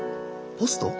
ポスト？